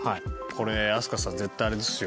これ飛鳥さん絶対あれですよ。